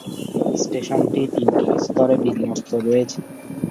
স্টেশনটি তিনটি স্তরে বিন্যস্ত রয়েছে।